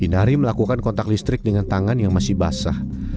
selalu waspada selalu melakukan kontak listrik dengan tangan yang masih basah